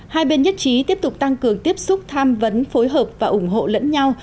hai bên nhất trí tiếp tục tăng cường tiếp xúc tham vấn phối hợp và ủng hộ lẫn nhau